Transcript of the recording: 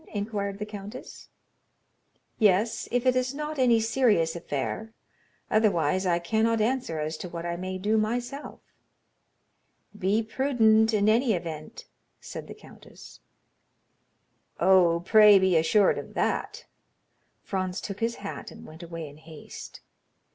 inquired the countess. "Yes, if it is not any serious affair, otherwise I cannot answer as to what I may do myself." "Be prudent, in any event," said the countess. "Oh! pray be assured of that." Franz took his hat and went away in haste.